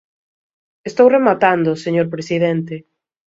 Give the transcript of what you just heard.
Estou rematando, señor presidente.